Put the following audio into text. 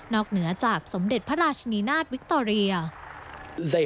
เหนือจากสมเด็จพระราชนีนาฏวิคโตเรีย